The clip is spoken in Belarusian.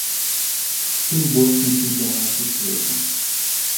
Тым больш на чэмпіянаце свету.